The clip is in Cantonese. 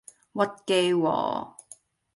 屈機喎!